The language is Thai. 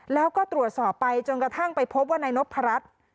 แล้วก็ตรวจสอบไปจนกระทั่งไปพบว่านายนพรัช